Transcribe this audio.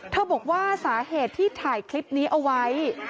บอกว่าสาเหตุที่ถ่ายคลิปนี้เอาไว้